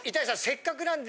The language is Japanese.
せっかくなんで。